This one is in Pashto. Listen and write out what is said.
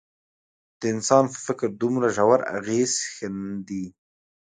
د انسان په فکر دومره ژور اغېز ښندي.